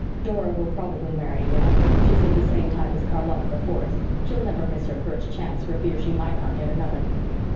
"Dora will probably marry young. She's of the same type as Charlotta the Fourth she'll never miss her first chance for fear she might not get another."